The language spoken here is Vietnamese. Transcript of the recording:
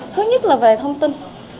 thứ nhất là về thông tin